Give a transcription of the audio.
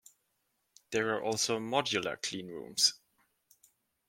There are also modular cleanrooms.